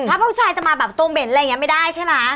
ถ้าผู้ชายจะมาแบบตัวเหม็นอะไรอย่างนี้ไม่ได้ใช่ไหม